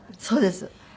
そうです。